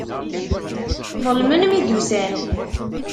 Ḍelmen mi d-ussan.